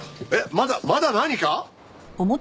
まだまだ何か？